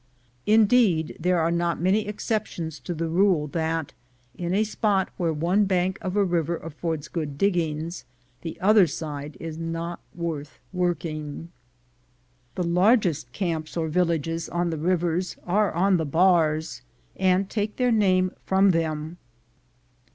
Indeed, there are not many exceptions to the rule that, in a spot where one bank of a river affords good diggings, the other side is not worth working. The largest camps or villages on the rivers are on the bars, and take their name from them.